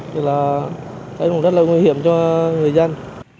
thì là cháy cũng rất là nguy hiểm cho người dân